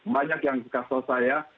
banyak yang berkata saya